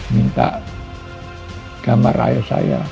menta gamar raya saya itu